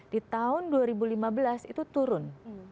di tahun dua ribu lima belas itu turun